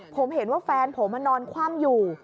ผมเห็นว่าแฟนผมนอนคว่ำอยู่